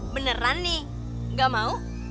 beneran nih gak mau